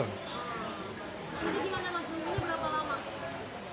jadi gimana mas minggunya berapa lama